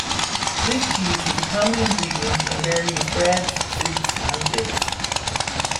This cheese is a common ingredient in various breads, soups, and dips.